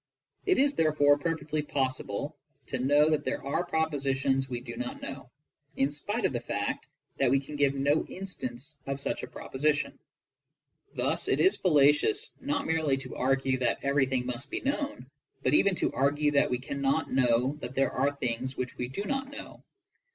It is therefore perfectly possible to know that there are propositions we do not know, in spite of the fact that we can give no instance of such a proposition. Thus it is fallacious not merely to ai^ue that everything must be known, but even to argue that we can not know that there are things which we do not know.